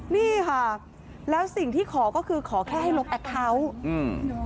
นี่ค่ะแล้วสิ่งที่ขอก็คือขอแค่ให้ลบแอคเคาน์อืม